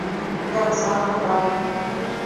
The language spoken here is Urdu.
رمضان المبارک